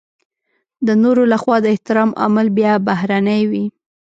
د نورو لخوا د احترام عامل بيا بهرنی وي.